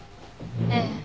ええ。